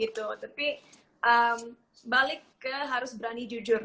tapi balik ke harus berani jujur